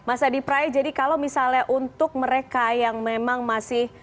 mas adi pray jadi kalau misalnya untuk mereka yang memang masih